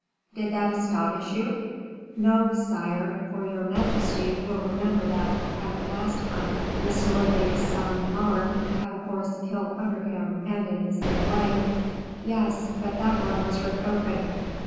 "Did that astonish you?" "No, sire; for your majesty will remember that, at the last hunt, M. de Saint Maure had a horse killed under him, and in the same way." "Yes, but that one was ripped open."